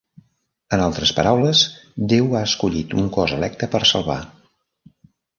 En altres paraules, Déu ha escollit un cos electe per salvar.